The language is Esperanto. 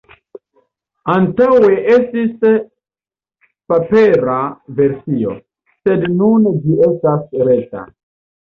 Antaŭe estis papera versio, sed nun ĝi estas reta.